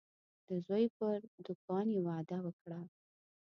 د زوی پر دوکان یې وعده وکړه.